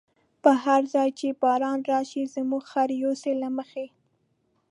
په هر ځای چی باران راشی، زموږ خره يوسی له مخی